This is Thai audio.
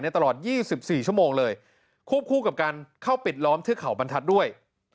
ตลอด๒๔ชั่วโมงเลยควบคู่กับการเข้าปิดล้อมเทือกเขาบรรทัศน์ด้วย